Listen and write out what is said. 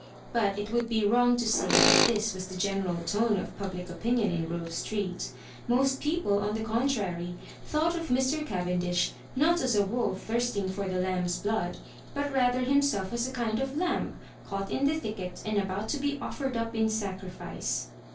But it would be wrong to say that this was the general tone of public opin ion in Grove Street; most people, on the con trary, thought of iij. Cavendish not as a wolf thirsting for the lamb*s blood, but rather him self as a kind of lamb caught in the thicket, and about to be offered up in sacrifice.